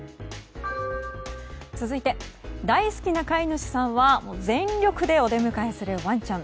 続いて大好きな飼い主さんは全力でお出迎えするワンちゃん。